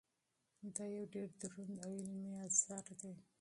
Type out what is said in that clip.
دا یو ډېر دروند او علمي اثر دی.